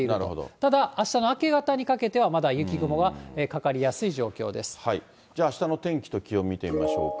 ただ、あしたの明け方にかけては、じゃあ、あしたの天気と気温見てみましょうか。